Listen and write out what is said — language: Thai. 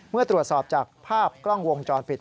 เมื่อตรวจสอบจากภาพกล้องวงจรปิด